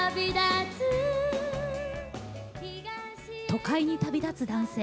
都会に旅立つ男性